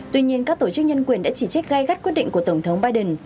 tuy nhiên các tổ chức nhân quyền đã chỉ trích gai gắt quyết định của tổng thống biden